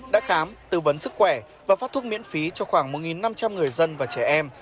đã khám tư vấn sức khỏe và phát thuốc miễn phí cho khoảng một năm trăm linh người dân và trẻ em